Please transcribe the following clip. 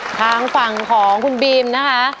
ทางฝั่งของคุณบีมนะคะ